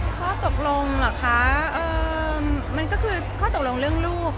ข้อตกลงเหรอคะมันก็คือข้อตกลงเรื่องลูก